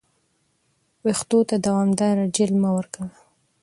ویښتو ته دوامداره جیل مه ورکوه.